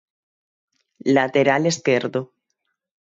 Lateral esquerdo.